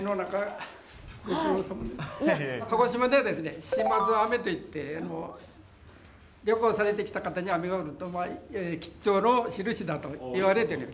鹿児島ではですね島津雨といって旅行されてきた方に雨が降ると吉兆のしるしだといわれてる。